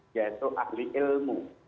yaitu ahli ilmu